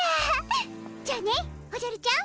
じゃあねおじゃるちゃん。